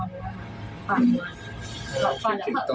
เนี่ยค่ะ